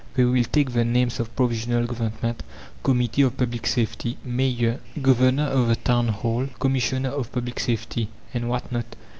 They will take the names of "Provisional Government," "Committee of Public Safety," "Mayor," "Governor of the Town Hall," "Commissioner of Public Safety," and what not.